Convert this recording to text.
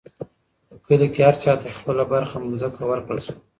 په کلي کې هر چا ته خپله برخه مځکه ورکړل شوه.